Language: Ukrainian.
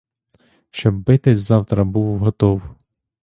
Щоб битись завтра був готов.